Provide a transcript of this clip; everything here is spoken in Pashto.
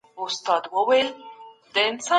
د يتيمانو مال خوړل لویه ګناه ده.